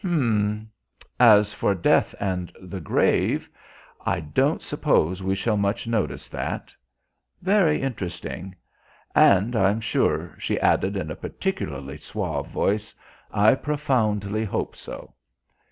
H'm! 'As for death and the grave, I don't suppose we shall much notice that.' Very interesting.... And I'm sure," she added in a particularly suave voice, "I profoundly hope so."